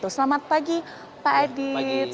selamat pagi pak adit